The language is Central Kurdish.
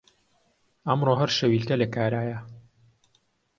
ئەمڕۆ هەر شەویلکە لە کارایە